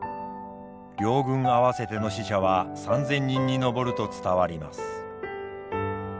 両軍合わせての死者は３，０００人に上ると伝わります。